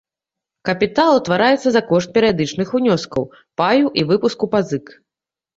Капітал утвараецца за кошт перыядычных унёскаў, паю і выпуску пазык.